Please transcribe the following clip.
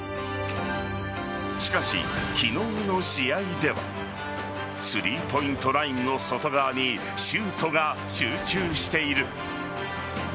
しかし、昨日の試合ではスリーポイントラインの外側にシュートが集中している。